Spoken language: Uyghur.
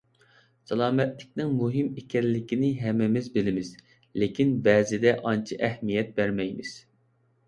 سالامەتلىكنىڭ مۇھىم ئىكەنلىكىنى ھەممىمىز بىلىمىز، لېكىن بەزىدە ئانچە ئەھمىيەت بەرمەيمىز.